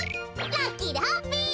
ラッキーでハッピー！